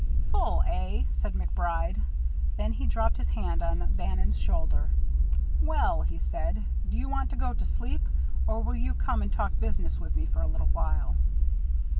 "Full, eh?" said MacBride. Then he dropped his hand on Bannon's shoulder. "Well," he said, "do you want to go to sleep, or will you come and talk business with me for a little while?"